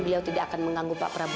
beliau tidak akan mengganggu pak prabowo